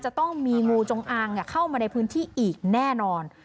จะต้องมีงูจงอางเข้ามาในพื้นที่อีกแน่นอน